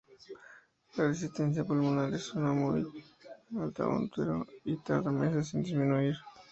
La resistencia pulmonar es muy alta in útero, y tarda meses en disminuir.